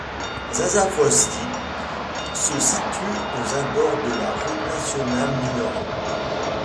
Zazafotsy se situe aux abords de la Route Nationale No.